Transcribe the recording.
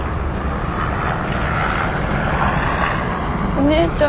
お姉ちゃん。